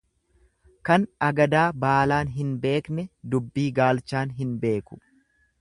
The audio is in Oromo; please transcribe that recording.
Kan agadaa baalaan hin beekne dubbii gaalchaan hin beeku.